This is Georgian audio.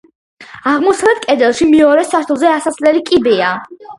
აღმოსავლეთ კედელში მეორე სართულზე ასასვლელი კიბეა.